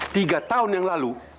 tiga tahun yang lalu